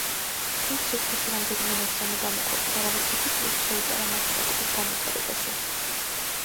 მის სიცოცხლეში რამდენიმე ნაშრომი გამოქვეყნდა, რამაც დიდი წვრილი შეიტანა მათემატიკის განვითარებაში.